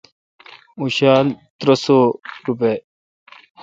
اوں شالہ ترہ سوروپے°